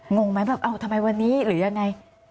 งงไหมแบบเอ้าทำไมวันนี้หรือยังไง